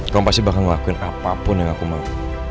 kaum pasti bakal ngelakuin apapun yang aku mau